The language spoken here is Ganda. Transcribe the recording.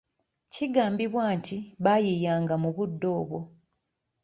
Kigambibwa nti baayiiyanga mu budde obwo.